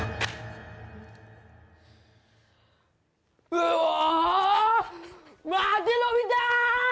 うお、待てのび太！